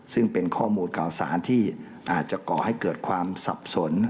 ซึ่งเป็นข้อมูลข่าวสารที่อาจจะก่อให้เกิดความสับสน